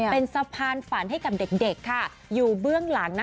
เป็นสะพานฝันให้กับเด็กค่ะอยู่เบื้องหลังนะ